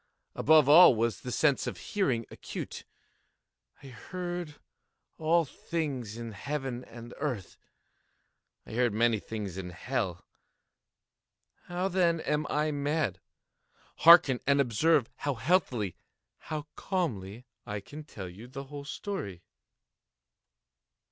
Above all was the sense of hearing acute. I heard all things in the heaven and in the earth. I heard many things in hell. How, then, am I mad? Hearken! and observe how healthily—how calmly I can tell you the whole story.